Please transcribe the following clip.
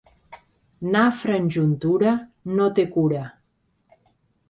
Nafra en juntura no té cura.